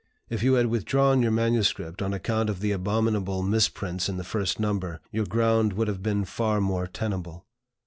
If you had withdrawn your MSS., on account of the abominable misprints in the first number, your ground would have been far more tenable.